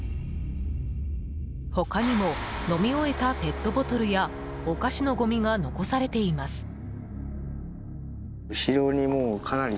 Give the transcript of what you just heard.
他にも飲み終えたペットボトルやお菓子のごみが残されています。